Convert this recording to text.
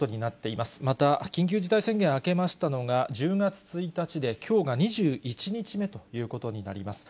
また、緊急事態宣言明けましたのが１０月１日で、きょうが２１日目ということになります。